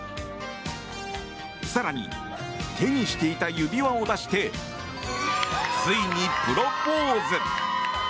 更に手にしていた指輪を出してついに、プロポーズ！